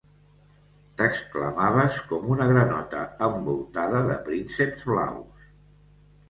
T'exclamaves com una granota envoltada de prínceps blaus.